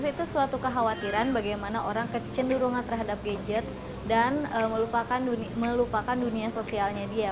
itu suatu kekhawatiran bagaimana orang kecenderungan terhadap gadget dan melupakan dunia sosialnya dia